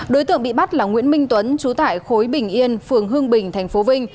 đối tượng bị bắt là nguyễn minh tuấn chú tại khối bình yên phường hương bình tp vinh